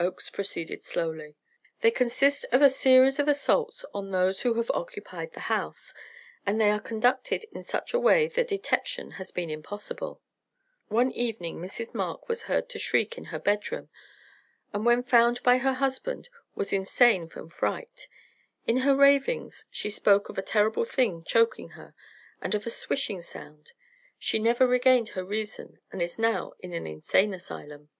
Oakes proceeded slowly. "They consist of a series of assaults on those who have occupied the house, and they are conducted in such a way that detection has been impossible. "One evening Mrs. Mark was heard to shriek in her bedroom, and when found by her husband was insane from fright. In her ravings she spoke of a terrible thing choking her, and of a swishing sound. She never regained her reason, and is now in an insane asylum.